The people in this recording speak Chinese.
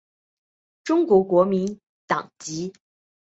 中国国民党籍。